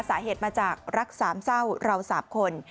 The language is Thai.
สาเหตุมาจากรักสามเศร้าเราสามคน